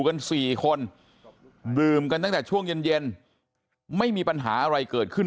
กัน๔คนดื่มกันตั้งแต่ช่วงเย็นไม่มีปัญหาอะไรเกิดขึ้น